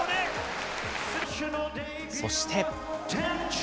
そして。